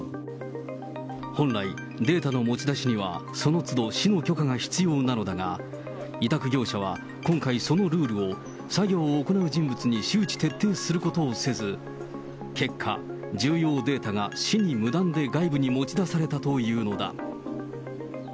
本来、データの持ち出しにはそのつど市の許可が必要なのだが、委託業者は今回そのルールを作業を行う人物に周知徹底することをせず、結果、重要データが市に無断で外部に持ち出されたというのだ。